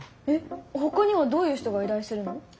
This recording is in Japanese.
えっほかにはどういう人がいらいするの？